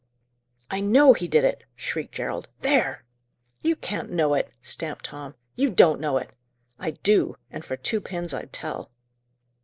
"I know he did it!" shrieked Gerald. "There!" "You can't know it!" stamped Tom. "You don't know it!" "I do. And for two pins I'd tell."